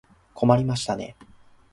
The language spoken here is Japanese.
困りましたね。